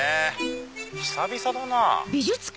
久々だなぁ。